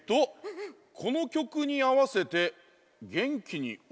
「このきょくにあわせてげんきにおどれ」？